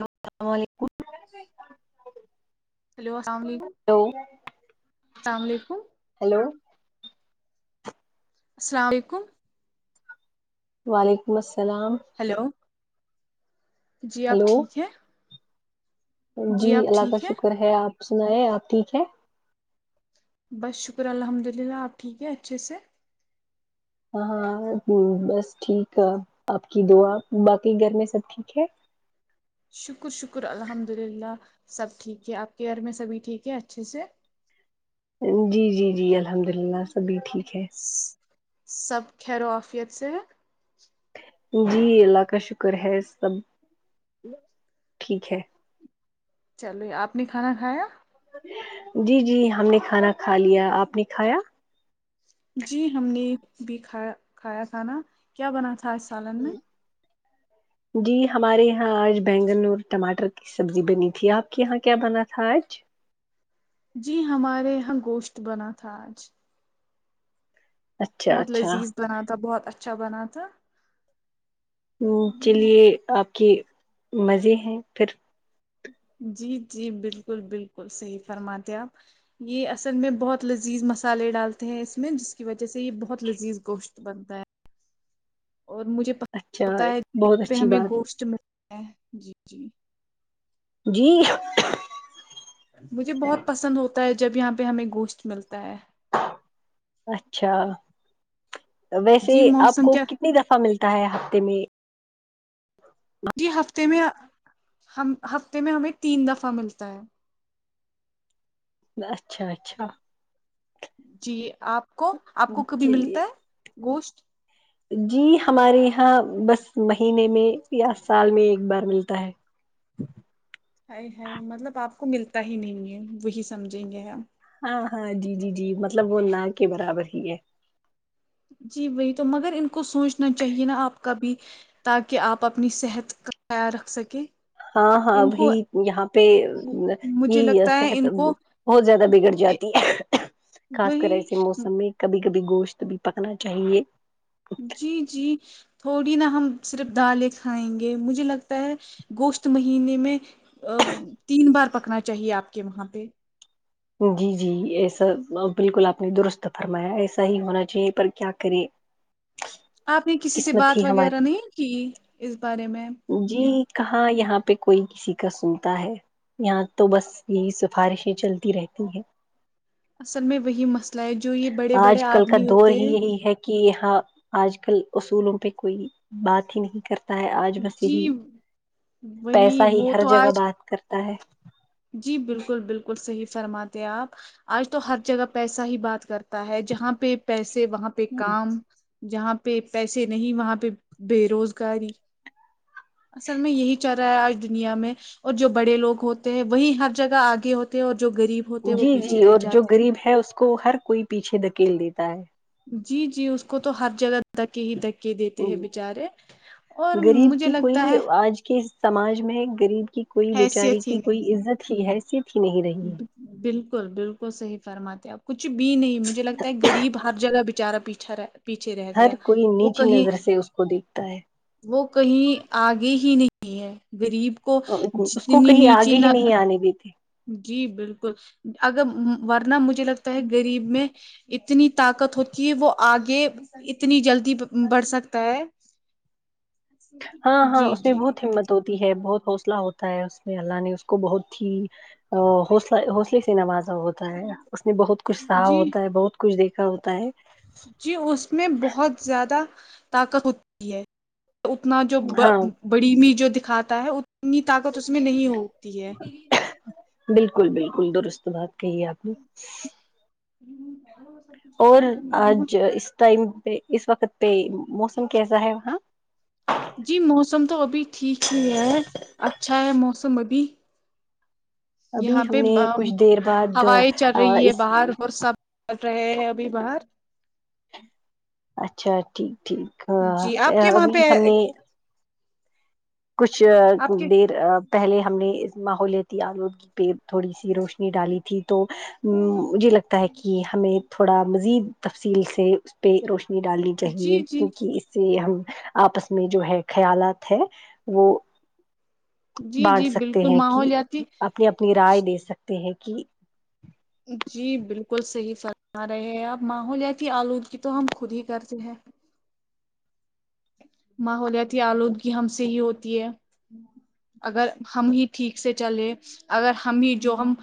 السلا و علیکم ہیلو السلام علیکم ہیلو السلام علیکم ہیلو سلا علیکم وعلیکم السلام ہیلو جی آپ ہلو ٹھیک ہیں جی اللہ کا شکر ہے آپ سنایں آپ ٹھیک ہے بس شکر ہے الحمد للہ آپ ٹھیک ہے اچھے سے ہاں بس ٹھیک ہے آپ کی دعا باقی گھر میں سب ٹھیک ہے شکر شکر الحمد للہ سب ٹھیک ہے آپ کے گھر میں سبھی ٹھیک ہے اچھے سے جی جی جی الحمد للہ سبھی ٹھیک ہے سب خیر و آفیت سے ہے جی اللہ کا شکر ہے سب ٹھیک ہے چلیے آپ نے کھانا کھایا جی جی ہم نے کھانا کھا لیا آپ نے کھایا جی ہم نے بھی کھایا کھایا تھا نا کیا بنا تھا آج سالن میں جی ہمارے یہاں آج بینگن اور ٹماٹر کے سبزی بنی تھی آپ کے یہاں کیا بنا تھا آج جی ہمارے یہاں گوشت بنا تھا آج اچھا بہت اچھا لذیذ بنا تھا بہت اچھا بنا تھا منہ کے لیے آپ کے مزے ہیں پھر جی جی بالکل بالکل صحیح فرماتے آپ یہ اصل میں بہت لذیذ مسالے ڈالتے ہیں اس میں جس کی وجہ سے یہ بہت لذیذ گوشت بنتا ہے اور مجھے پتہ اچھا ہوتا ہے جو بہت یہاں پہ اچھی ہمیں بات گوشت ملتا ہے جی جی جی مجھے بہت پسند ہوتا ہے جب یہاں پہ ہمیں گوشت ملتا ہے اچھا ویسے جی آپ موسم کو کیا کتنی دفع ملتی ہوتا ہے ہفتے میں جی ہفتے میں ہم ہفتے میں ہمیں تین دفعہ ملتا ہے اچھا اچھا جی آپ کو آپ کو کبھی ملتا چلیے ہے گوشت جی ہمارے یہاں بس مہینے میں یا سال میں ایک بار ملتا ہے آیے ہائیے مطلب آپ کو ملتا ہی نہیں ہے وہی سمجھیں گے آپ ہاں ہاں جی جی جی مطلب وہ نا کے برابر ہی ہے جی وہی تو مگر ان کو سوچنا چاہیے نا آپ کابھی تاکہ آپ اپنی صحت کا خیال رکھ سکیں ہاں ہاں ابھی یہاں پہ مجھے یہی لگتا ہے صحت ان کو بہت زیادہ بگڑ جاتی ہے خاص کر وہی ایسے موسم میں کبھی کبھی گوشت بھی پکنا چاہیے جی جی تھوڑی نا ہم صرف دالیں کھائیں گے مجھے لگتا ہے گوشت مہینے میں آ تین بار پکنا چاہیے آپ کے وہاں پہ جی جی یہ ایسا بالکل آپ نے درست فرمایا ایسا ہی ہونا چاہیے پر کیا کرے آپ نے کسی سے بات وغیرہ ہماری نہیں کی اس بارے میں جی کہ کہاں یہاں پہ کوئی کسی کا سنتا ہے یہاں تو بس یہی سفارشیں چلتی رہتی تی ہے اصل میں وہی مسئلہ ہے جو یہ بڑے بڑے آج کل کا آدمی دور ہوتے ہی ہیں یہی ہے کہ یہاں آج کل اصولوں پہ کوئی بات ہی نہیں کرتا ہے آج بس جی یہی وہی پیسہ ہی وہ ہر تو آج جگہ بات کرتا ہے جی بالکل بالکل صحیح فرماتے آپ آج تو ہر جگہ پیسہ ہی بات کر تا ہے جہاں پہ پیسے وہاں پہ کام جہاں پہ پیسے نہیں وہاں پہ بے روزگاری اصل میں یہی چل رہا ہے آج دنیا میں اور جو بڑے لوگ ہوتے ہیں وہیں ہر جگہ آگے ہوتے ہیں اور جو غریب ہوتے ہیں وہ جی پیچھے جی رہ اور جو جاتے غریب ہے اس کو ہر کوئی پیچھے دھکیل دیتا ہے جی جی اس کو تو ہر جگہ دھکے ہی دھکے کے دیتے ہیں بچارے اور غریب مجھے کی کوئی لگتا ہے آج کے سماج میں غریب کی کوئی بیچاری حیثیت ہی کی کوئی نہیں ہے عزت ہی حیثیت ہی نہیں رہی ہے بالکل بالکل صحیح فرماتے آب کچھ بھی نہیں مجھے لگتا ہے غریب ہر جگہ بیچارا پیچھا رہتا پیچھے رہ ہر گیا کوئی وہ نیچی کہیں نظر سے اس کو دیکھتا ہے وہ کہیں آگے ہی نہیں ہے غریب کو جتنی نیچے نہ وہ بھی تھی جی بالکل اگر ورنہ مجھے لگتا ہے غریب میں اتنی طاقت ہوتی ہے وہ آگے اتنی جلدی بڑھ سکتا ہے ہاں ہاں جی اس میں جی بہت ہمت ہوتی ہے بہت حوصلہ ہوتا ہے اس میں اللہ نے اس کو بہت ہی اور حوصلہ حوصلےنوازا ہوتا جی ہے کچھ دیکھا ہوتا ہے جی اس میں بہت زیادہ طاقت ہوتی ہے اتنا جو ہاں بڑیمی جو دکھاتا ہے ا ت اتنی طاقت اس میں نہیں ہوتی ہے بالکل بالکل درست بات کہی ہے آپ نے ہ بر اور آج اس ٹائم پہ اس وقت پہ موسم کیسا ہے وہاں جی موسم تو ابھی ٹھیک ہی ہے اچھا ہے موسم ابھی ابھی یہاں پہ ہم نے کچھ دیر بعد ہوائیں چل رہی ہے اس باہر اور سب ہے ہیں ابھی باہر اچھا ٹھیک ٹھیک جی آپ کے وہاں ابھی پہ ہم نے کچھ آپ کے دیر پہلے ہم نے اس ماحولیاتی آلودگی پہ تھوڑی سی روشنی ڈالی تھی تو مجھے لگتا ہے کہ ہمیں تھوڑا مزید تفصیل سے اس پہ روشنی ڈالنی جی چاہیے جی کیونکہ اس سے ہم آپس میں جو ہے خیالات ہے وہ جی بانٹ جی سکتے بالکل ہیں کہ ماحولیاتی اپنی اپنی رائے دے سکتے تے ہے کی جی بالکل صحیح فرما رہے ہیں آپ ماحولیاتی آلودگی تو ہم خود ہی کرتے ہیں ماحولیاتی آلودگی ہم سے ہی ہوتی ہے اگر ہم ہی ٹھیک سے چلے اگر ہم ہی جو ہم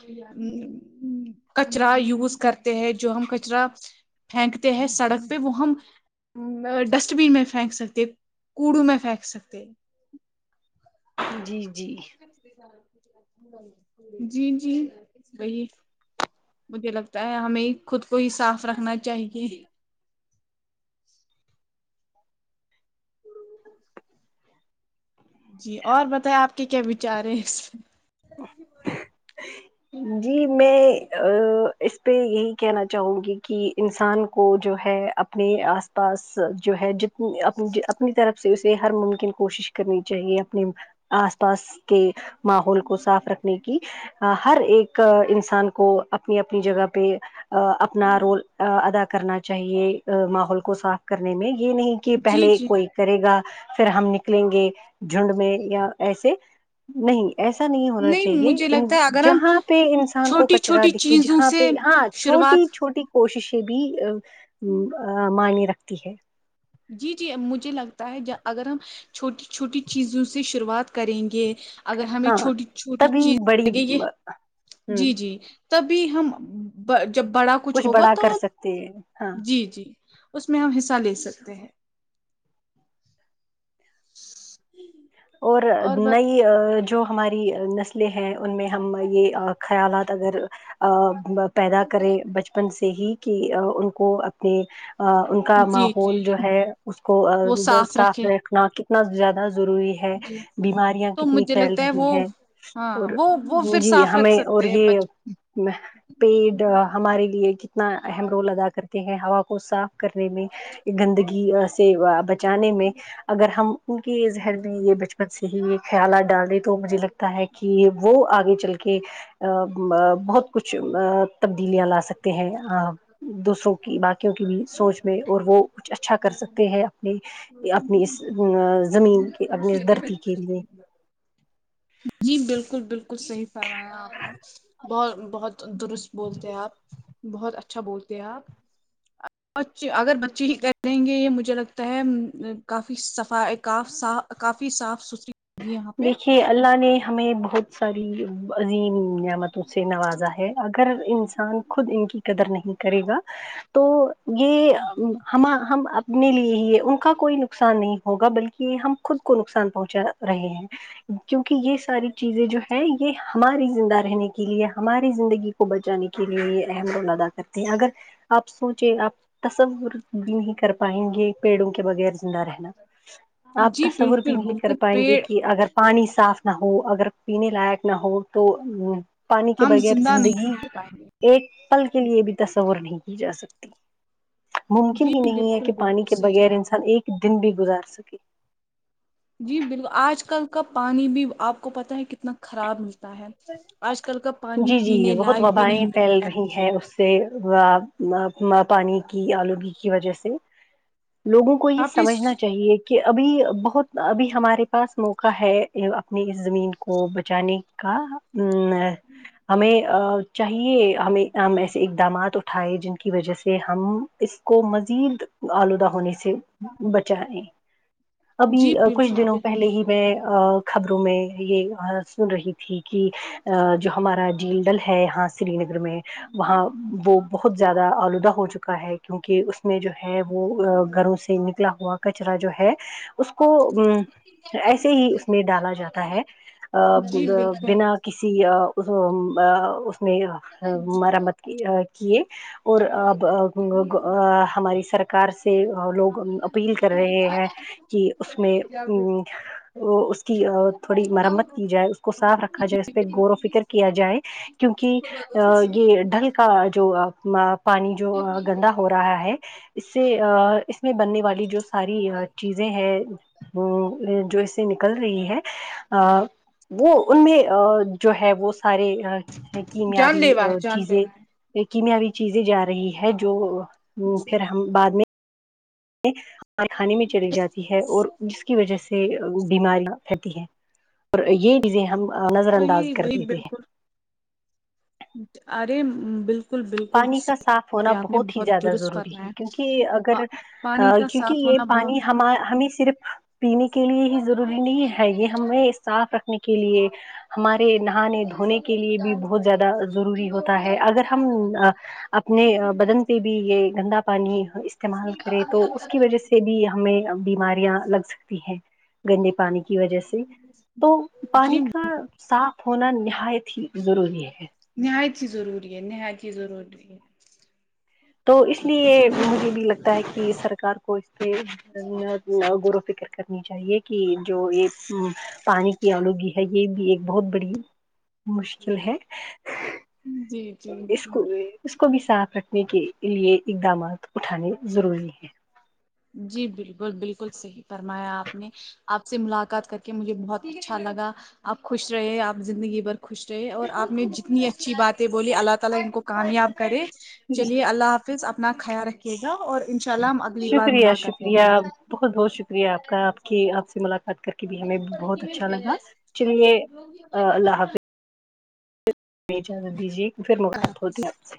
کچرا یوز کرتے ہیں جو ہم کچرا پھینکتے ہیں سڑک پہ وہ ہم ڈسٹ بن پھینک سکتے کوڑو میں پھینک سکتے جی جی جی جی وہی مجھے لگتا ہے ہمیں خود کو ہی صاف رکھنا چاہیے جی اور بتائیں آپ کے کیا وچار ہے اس ا جی میں ا اس پہ یہی کہنا چاہوں گی کہ انسان کو جو ہے اپنے آس پاس جو ہے جتنی اپین آپ اپنی طرف سے اسے ہر ممکن کوشش کرنی چاہیے اپنے آس پاس کے ماحول کو صاف رکھنے کی آ، ہر ایک انسان کو اپنی اپنی جگہ پہ اپنا رول ا ادا کرنا چاہیے ماحول کو صاف کرنے میں یہ نہیں کہ جی پہلے جی کوئی کرے گا پھر ہم نکلیں گے جھنڈ میں یا ایسے نہیں ایسا نہیں ہونا چاہیے مجھے ان لگتا ہے اگر ہم جہاں پہ انسان کو چھوٹی کچرا چھوٹی دکھے چیزوں جہاں پہ سے ہاں شروعات چھوٹی چھوٹی کوششیں بھی ا معنی رکھتی ہے جی جی مجھے لگتا ہے ج اگر ہم چھوٹی چھوٹی چیزوں سے شروعات کریں گے اگر ہمیں ہاں چھوٹی چھوٹی تبھی چیز بڑی لگے یہ ہ جی جی تبھی ہم ب جب بڑا کچھ ہوگا بڑا تو کر سکتے ہیں ہاں جی جی اس میں ہم حصہ لے سکتے ہیں اور [unintelligible] کہ جو ہماری نسلیں ہیں ان میں ہم یہ خیالات اگر ا پیدا کرے بچپن سے ہی کہ ان کو اپنے ا ان کا جی جی ماحول جو ہے اس کو وہ گھر صاف رکھے رکھنا کتنا زیادہ ضروری ہے ہے جی بیماریاں تو کتنی مجھے پھیل لگتا وہ رہی ہے اور ہاں وہ وہ پھر جی صاف رکھ ہمیں اور سکتے ہیں یہ بچ پیڑ ہمارے لیے کتنا اہم رول ادا کرتے ہیں ہوا کو صاف کرنے میں گندگی سے بچانے میں اگر ہم ان کے ذہن بچپن سے ہی یہ خیالات ڈال دے تو مجھے لگتا ہے کہ وہ آگے چل کے ا بہت کچھ ا تبدیلیاں لا سکتے ہیں آپ دوسروں کی باقیوں کی بھی سوچ میں اور وہ کچھ اچھا کر سکتے ہیں اپنے اپنی اس ا زمین کے اپنی اس دھرتی کے لیے جی بالکل بالکل صحیح فرمایا آپ نے بہت بہت درست بولتے ہیں آپ بہت اچھا بولتے ہیں آپ اگر بچے ہی کر دیں گے یہ مجھے لگتا ہے کافی صفائی کاف صا کافی صاف ستری دیکھیے اللہ نے ہمیں یہ بہت ساری عظیم نعمتوں سے نوازا ہے اگر اگر انسان خود ان کی قدر نہیں کرے گا تو یہ ہما ہم اپ نے لیے ہی ان کا کوئی نقصان نہیں ہوگا بلکہ یہ ہم خود کو نقصان پہنچا رہے ہیں کیونکہ یہ ساری چیزیں جو ہے یہ ہماری زندہ رہنے کے لیے ہماری زندگی کو بچانے کے لیے یہ اہم رول ادا کرتے ہیں اگر آپ سوچے آپ تصور بھی نہیں کر پائیں گے پیڑوں کے بغیر زندہ رہنا آپ جی تصور بھی بالکل نہیں کر بالکل پائیں گے پیڑ کہ اگر پانی صاف نہ ہو اگر پینے لائق نہ ہو تو پانی کے ہم بغیر زندہ نہیں زندگی کر پائیں گے ایک پل کے لیے بھی تصور نہیں کی جا سکتی ممکن جی ہی نہیں ہے بالکل کہ پانی بالکل کے صحیح بغیر انسان ایک دن بھی گزار سکے جی بالکل آج کل کا پانی بھی آپ کو پتا ہے کتنا خراب ملتا ہے آج کل کا پانی جی جی پینے بہت لائق بھی وبائیں نہیں پھیل ملتا ہے رہی ہیں اس سے پانی کی آلودگی کی وجہ سے لوگوں کو یہ آپ نے سمجھنا چاہیے کہ کہ ابھی بہت ابھی ہمارے پاس موقع ہے اپنی اس زمین کو بچانے ہمیں چاہیے ہمیں ہم ایسے اقدامات اٹھائے جن کی وجہ سے ہم اس کو مزید آلودہ ہونے سے بچا یں ابھی جی کچھ بالکل دنوں ب پہلے ہی میں خبروں میں یہ سن رہی تھی کئ جو ہمارا منڈل ہے یہاں سری نگر میں وہاں وہ بہت زیادہ آلودہ ہو چکا ہے کیونکہ اس میں جو ہے وہ گھروں سے نکلا ہوا کچرا جو ہے اس کو ا ایسے ہی اس میں ڈالا جاتا ہے جی بالکل بنا کسی اس میں مرمت کی کیے اور اب ہماری سرکار سے سے لوگ اپیل کر رہے ہیں کہ اس میں اس کی تھوڑی مرمت کی جائے اس کو صاف رکھا جائے اس پہ غور و فکر کیا جائے کیونکہ یہ ڈھل کا جو پانی جو گندا ہو رہا رہا ہے اس سے اس میں بننے والی جو ساری چیزیں ہیں وہ جو اس سے نکل رہی ہے ا وہ ان میں جو ہے وہ سارے جان کیمیابی لیوا ہے جان چیزیں لیوا ہے یہ کیمیابی چیزیں جا رہی ہے جو پھر ہم بعد میں کانے میں چلی جاتی ہے اور جس کی وجہ سے سے بیماریاں پھلتی ہیں اور یہی چیزیں ہم نظر انداز وہی کر وہی دیتے ہیں بالکل ارے بالکل بالکل پانی کا صاف ہونا آپ نے بہت ہی زیادہ درست ضروری ہے فرمایا کیونکہ اگر پانی کا کیونکہ صاف یہ ہونا پانی بہت ہمیں صرف پینے کے لیے ہی ضروری نہیں ہے یہ ہمیں صاف رکھنے کے لیے ہمارے نہانے دھونے کے لیے بھی بہت زیادہ ضروری ہوتا ہے اگر ہم اپنے بدن پہ بھی یہ گندا پانی استعمال کرے تو اس کی وجہ سے بھی ہمیں بیماریاں لگ سکتی ہیں گندے پانی کی وجہ سے تو جی پانی کا صاف ہونا نہایت ہی ضروری ہے نہایت ہی ضروری ہے نہایت ہی ضروری ہے تو اس لیے چلیے مجھے بھی لگتا ہے کہ سرکار کو اس پہ غور و فکر کرنی چاہیے کہ جو یہ پانی کی آلوگی ہے یہ بھی ایک بہت بڑی مشکل ہے جی جی اس جی کو بھی اس کو بھی صاف رکھنے کے لیے اقدامات اٹھانے ضروری ہیں جی بالکل بالکل صحیح فرمایا آپ نے آپ سے ملاقات کر کے مجھے بہت اچھا لگا آپ خوش رہے آپ زندگی بھر خوش رہے اور آپ نے جتنی اچھی باتیں بولی اللہ تعالی ان کو کامیاب کرے ہیں چلیے اللہ حافظ اپنا خیال رکھیے گا اور ان شاء اللہ ہم اگلی بار شکریہ ملاقات کریں شکریہ گے بہت بہت شک شکریہ آپ کا آپ کی آپ سے ملاقات کر کے بھی ہمیں بہت اچھا لگا چلیے اللہ [unintelligible] حافظ اجازت دیجیے کہ پھر اللہ ملاقات حافظ ہوتی آپ سے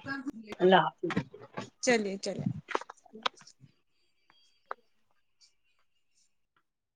اللہ حافظ چلیے چلیے